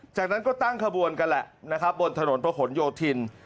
จากนั้นก็ตั้งขบวนกันแหละนะครับบนถนนพระหลโยธิน